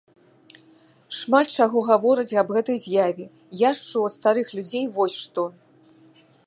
Шмат чаго гавораць аб гэтай з'яве, я ж чуў ад старых людзей вось што.